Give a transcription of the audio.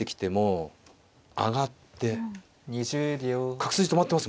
角筋止まってます。